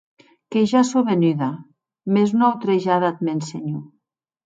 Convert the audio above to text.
Que ja sò venuda, mès non autrejada ath mèn senhor.